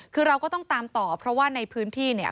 คือเราก็ต้องตามต่อเพราะว่าในพื้นที่เนี่ย